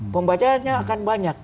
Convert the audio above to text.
pembacaannya akan banyak